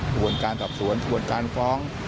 กระบวนการสอบสวนกระบวนการฟ้อง